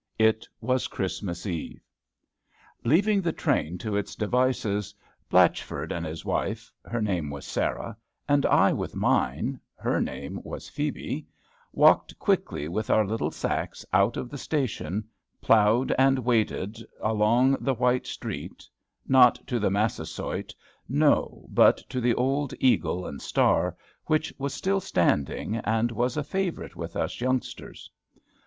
It was Christmas eve! Leaving the train to its devices, Blatchford and his wife (her name was Sarah), and I with mine (her name was Phebe), walked quickly with our little sacks out of the station, ploughed and waded along the white street, not to the Massasoit, no, but to the old Eagle and Star, which was still standing, and was a favorite with us youngsters.